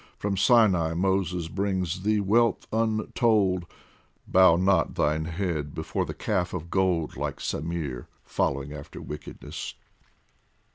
From Sinai Moses brings thee wealth untold ; Bow not thine head before the calf of gold Like Samir, following after wickedness.